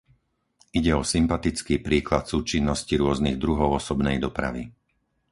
Ide o sympatický príklad súčinnosti rôznych druhov osobnej dopravy.